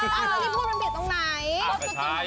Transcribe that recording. ตอนนี้พูดมันเปลี่ยนตรงไหน